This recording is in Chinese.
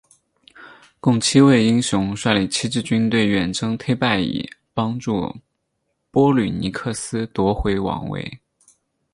共七位英雄率领七支军队远征忒拜以帮助波吕尼克斯夺回王位。